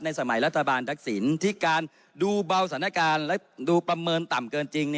สมัยรัฐบาลทักษิณที่การดูเบาสถานการณ์และดูประเมินต่ำเกินจริง